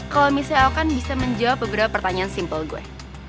kalau miss yau kan bisa menjawab beberapa pertanyaan simpel gue